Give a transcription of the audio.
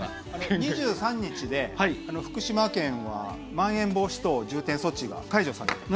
２３日で福島県はまん延防止等重点措置が解除されました。